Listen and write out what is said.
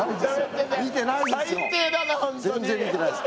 全然見てないです。